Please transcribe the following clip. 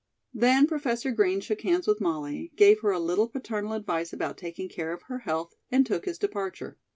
Then Professor Green shook hands with Molly, gave her a little paternal advice about taking care of her health, and took his departure.